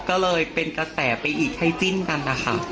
ก็เลยเป็นกระแสไปอีกให้จิ้นกันนะคะ